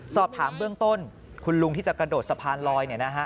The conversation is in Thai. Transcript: สอบถามเบื้องต้นคุณลุงที่จะกระโดดสะพานลอย